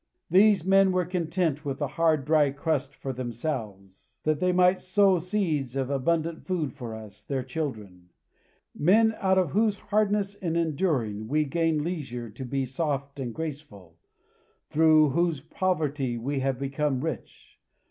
These men were content with the hard, dry crust for themselves, that they might sow seeds of abundant food for us, their children; men out of whose hardness in enduring we gain leisure to be soft and graceful, through whose poverty we have become rich.